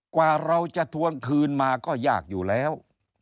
กว่าเราจะทวงคืนมาก็ยากอยู่แล้ว